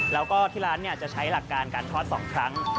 แล้วก็ที่ร้านจะใช้หลักการการทอด๒ครั้ง